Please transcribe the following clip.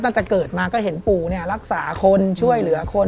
ตั้งแต่เกิดมาก็เห็นปู่รักษาคนช่วยเหลือคน